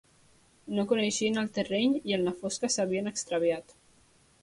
No coneixien el terreny i en la fosca s'havien extraviat